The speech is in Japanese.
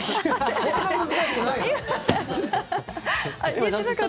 そんな難しくないでしょ。